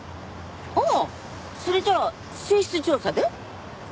ああそれじゃあ水質調査で？